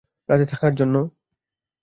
রাতে থাকার জন্য?